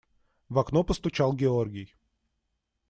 В окно постучал Георгий.